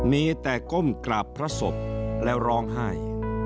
มีแต่ก้มกราบพระศพแล้วร้องไห้